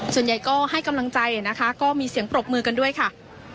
ส่วนใหญ่ก็ให้กำลังใจนะคะก็มีเสียงปรบมือกันด้วยค่ะ